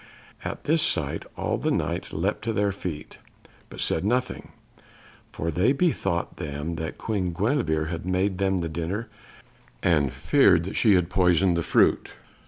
At this sight all the Knights leapt to their feet, but said nothing, for they bethought them that Queen Guenevere had made them the dinner, and feared that she had poisoned the fruit.